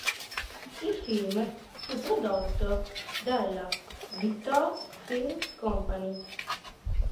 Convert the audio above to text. Il film fu prodotto dalla Victor Film Company.